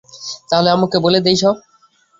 তাহলে আম্মুকে বলে দেই সব।